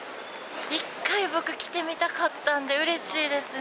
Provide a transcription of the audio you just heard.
一回僕来てみたかったんでうれしいですね。